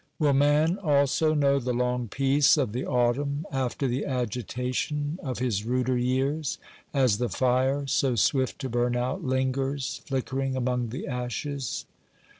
Will man also know the long peace of the autumn after the agitation of his ruder years ? as the fire, so swift to burn out, lingers flickering among the ashes.